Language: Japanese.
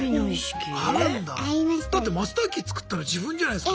だってマスターキー作ったの自分じゃないすか。